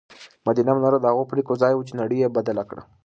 مدینه منوره د هغو پرېکړو ځای و چې نړۍ یې بدله کړه.